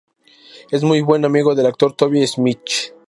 Es muy buen amigo del actor Toby Schmitz.